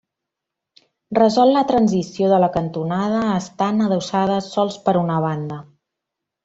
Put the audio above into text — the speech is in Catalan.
Resol la transició de la cantonada, estant adossada sols per una banda.